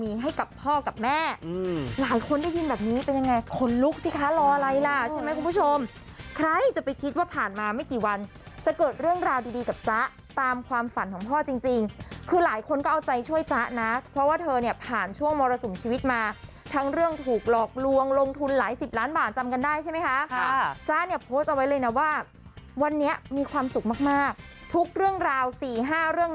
ใช่ไหมคุณผู้ชมใครจะไปคิดว่าผ่านมาไม่กี่วันจะเกิดเรื่องราวดีกับจ๊ะตามความฝันของพ่อจริงคือหลายคนก็เอาใจช่วยจ๊ะนะเพราะว่าเธอเนี่ยผ่านช่วงมรสุมชีวิตมาทั้งเรื่องถูกหลอกลวงลงทุนหลายสิบล้านบาทจำกันได้ใช่ไหมคะจ๊ะเนี่ยโพสต์เอาไว้เลยนะว่าวันนี้มีความสุขมากทุกเรื่องราวสี่ห้าเรื่อง